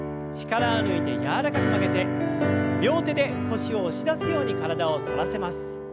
力を抜いて柔らかく曲げて両手で腰を押し出すように体を反らせます。